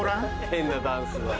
変なダンスだ。